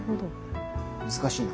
難しいな。